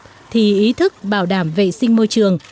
các lực lượng đã hết sức bảo đảm vệ sinh môi trường